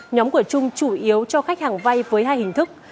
nhóm của trung chủ yếu cho khách hàng vay với hai hình thức